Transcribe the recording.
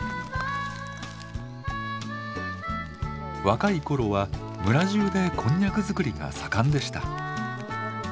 若い頃は村じゅうでこんにゃく作りが盛んでした。